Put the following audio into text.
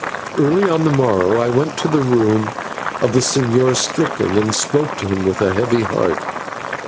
Early on the morrow I went to the room of the Señor Strickland and spoke to him with a heavy heart.